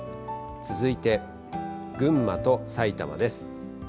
続いて群馬と埼玉です。